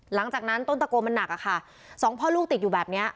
หลังจากนั้นต้นตะโกมันหนักอะค่ะสองพ่อลูกติดอยู่แบบเนี้ย